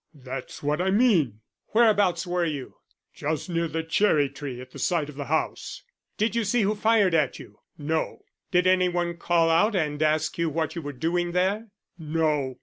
"That's what I mean." "Whereabouts were you?" "Just near the cherry tree at the side of the house." "Did you see who fired it at you?" "No." "Didn't anyone call out and ask you what you were doing there?" "No."